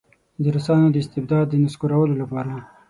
د روسانو د استبداد د نسکورولو لپاره.